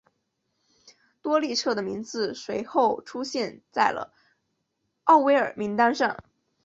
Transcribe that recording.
多伊彻的名字随后出现在了奥威尔名单上。